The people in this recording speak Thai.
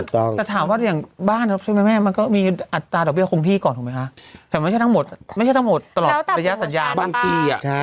แต่ถามว่าอย่างบ้านเราใช่ไหมแม่มันก็มีอัตราดอกเบี้คงที่ก่อนถูกไหมคะแต่ไม่ใช่ทั้งหมดไม่ใช่ทั้งหมดตลอดระยะสัญญาบางที่